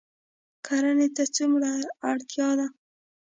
کرنې ته څومره اړتیا ده؟